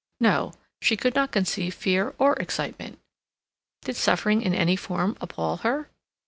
No; she could not conceive fear or excitement. Did suffering in any form appall her?